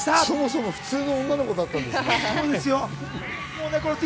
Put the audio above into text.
そもそも普通の女の子だったんですね。